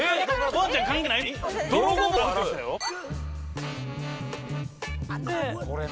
ワンちゃん関係ないのに？